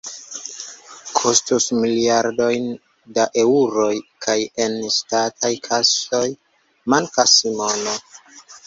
Kostus miliardojn da eŭroj, kaj en ŝtataj kasoj mankas mono.